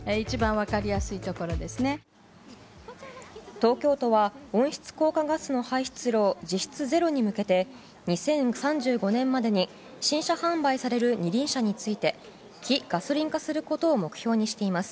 東京都は温室効果ガスの排出量実質ゼロに向けて２０３５年までに新車販売される二輪車について非ガソリン化することを目標にしています。